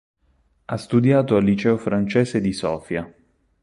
Ha studiato al liceo francese di Sofia.